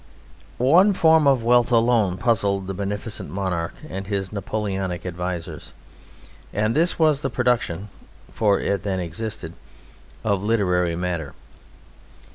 One form of wealth alone puzzled the beneficent monarch and his Napoleonic advisers, and this was the production (for it then existed) of literary matter.